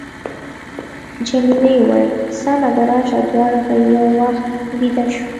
جميلې وويل:، سمه ده، راشه دواړه به یو وخت بېده شو.